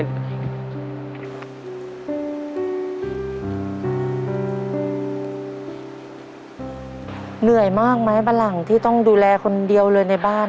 เหนื่อยมากไหมบะหลังที่ต้องดูแลคนเดียวเลยในบ้าน